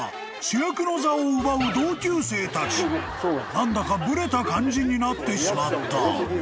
［何だかブレた感じになってしまった］